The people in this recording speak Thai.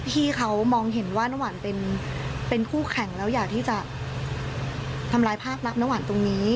ที่เขามองเห็นว่าน้ำหวานเป็นคู่แข่งแล้วอยากที่จะทำลายภาพลักษณ์น้ำหวานตรงนี้